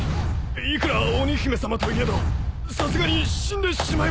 いくら鬼姫様といえどさすがに死んでしまいますよ。